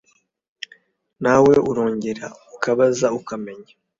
nawe urongera ukabanza ukamenya